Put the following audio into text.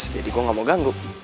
jadi gue nggak mau ganggu